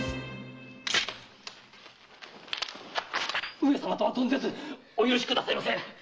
上様とは存ぜずお許しくださいませ！